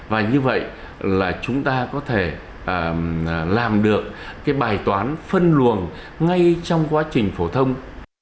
và như vậy là chúng ta có thể làm được cái bài toán phân luồng ngay trong quá trình phổ thông